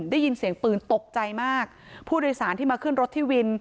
ได้ยินเสียงปืนตกใจมากผู้โดยสารที่มาขึ้นรถที่วิน